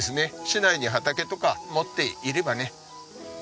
市内に畑とか持っていればね。